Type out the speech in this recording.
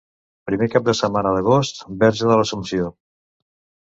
Primer cap de setmana d'agost, Verge de l'Assumpció.